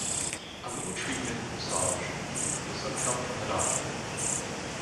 A little treatment, massage, with some help from the doctor.